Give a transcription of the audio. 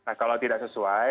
nah kalau tidak sesuai